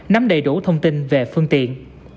nắm đầy đủ thông tin về phương tiện